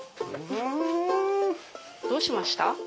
うん！どうしました？